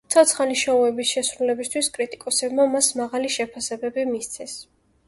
ცოცხალი შოუების შესრულებისთვის კრიტიკოსებმა მას მაღალი შეფასებები მისცეს.